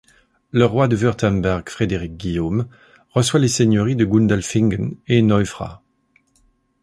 Le roi de Wurtemberg, Frédéric Guillaume, reçoit les seigneuries de Gundelfingen et Neufra.